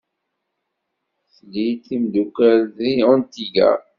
Tlid timeddukal deg Antigua?